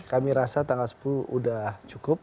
kami rasa tanggal sepuluh sudah cukup